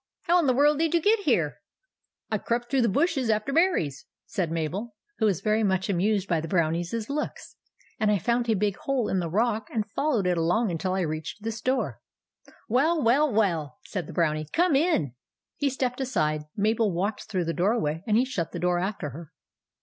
How in the world did you get here?" " I crept through the bushes after berries, ,, said Mabel, who was very much amused by the Brownie's looks ;" and I found a big hole in the rock, and followed along until I reached this door." 11 Well, well, well !" said the Brownie. " Come in." He stepped aside ; Mabel walked through the doorway ; and he shut the door after her.